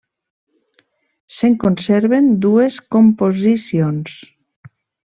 Se'n conserven dues composicions.